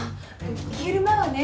昼間はね